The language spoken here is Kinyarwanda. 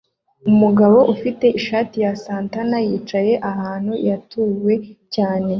Umugabo ufite ishati ya SANTANA yicaye ahantu hatuwe cyane